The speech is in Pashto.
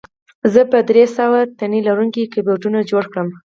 زه به درې سوه تڼۍ لرونکي کیبورډونه جوړ کړم